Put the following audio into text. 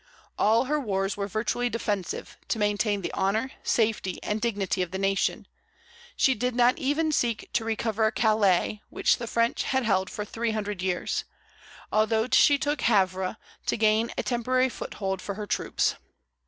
All her wars were virtually defensive, to maintain the honor, safety, and dignity of the nation. She did not even seek to recover Calais, which the French had held for three hundred years; although she took Havre, to gain a temporary foothold for her troops.